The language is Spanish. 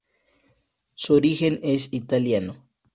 Su origen es italiano.